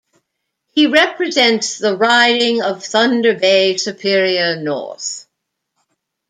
He represents the riding of Thunder Bay-Superior North.